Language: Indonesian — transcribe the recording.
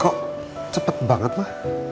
kok cepet banget ma